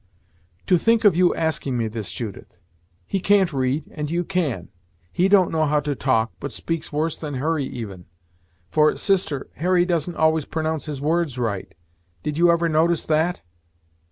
"To think of you asking me this, Judith! He can't read, and you can. He don't know how to talk, but speaks worse than Hurry even; for, sister, Harry doesn't always pronounce his words right! Did you ever notice that?"